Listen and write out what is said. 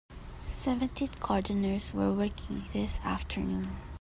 Seventeen gardeners are working this afternoon.